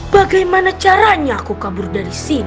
bagaimana caranya aku kabur dari sini